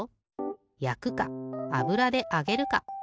やくかあぶらであげるか。